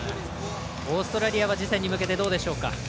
オーストラリアは次戦に向けてどうでしょうか。